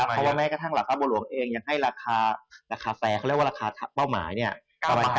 เพราะแม้ก็ทั้งละครับบลวงเองยังให้ราคาแฟร์เขาเรียกว่าราคาเป้าหมายเนี่ย